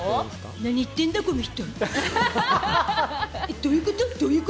何言ってんだこの人？